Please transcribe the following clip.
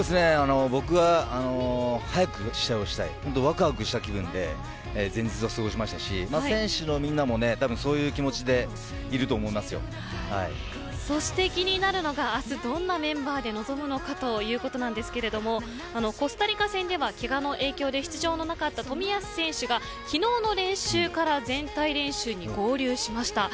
僕は早く試合をしたいわくわくした気分で前日を過ごしましたし選手のみんなも、たぶんそういう気持ちでそして気になるのが明日どんなメンバーで臨むのかということなんですけれどもコスタリカ戦では、けがの影響で出場のなかった冨安選手が昨日の練習から全体練習に合流しました。